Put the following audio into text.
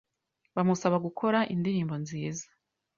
bamusaba gukora indirimbo nziza